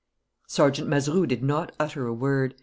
Sergeant Mazeroux did not utter a word.